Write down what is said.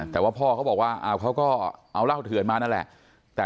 แต่ว่าพ่อเขาบอกว่าเขาก็เอาเหล้าเถื่อนมานั่นแหละ